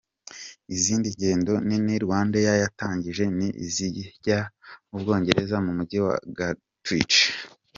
Izindi ngendo nini Rwandair yatangije ni izijya mu Bwongereza mu Mujyi wa Gatwich.